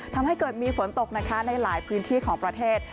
ทำให้เกิดมีฝนตกนะคะในหลายพื้นที่ของประเทศ